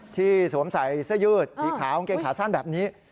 สวมใส่เสื้อยืดสีขาวกางเกงขาสั้นแบบนี้